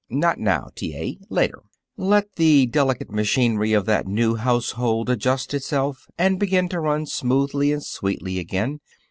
"Not now, T. A. Later. Let the delicate machinery of that new household adjust itself and begin to run smoothly and sweetly again.